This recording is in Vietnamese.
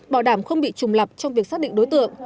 bảo đảm không bị trùng lập trong việc xác định đối tượng